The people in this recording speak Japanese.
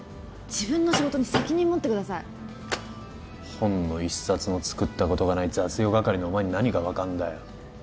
自分の仕事に責任持ってください本の一冊も作ったことがない雑用係のお前に何が分かんだよ